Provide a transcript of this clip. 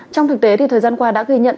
trong thực tế thì thời gian qua đã ghi nhận